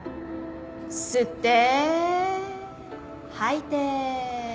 吸って吐いて。